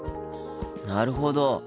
なるほど。